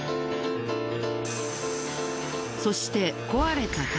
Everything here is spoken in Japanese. そして壊れた棚。